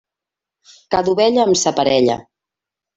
Cada ovella amb sa parella.